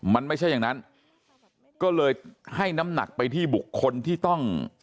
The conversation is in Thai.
มันไม่ใช่อย่างนั้นก็เลยให้น้ำหนักไปที่บุคคลที่ต้อง